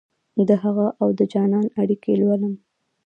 دهغه اودجانان اړیکې لولم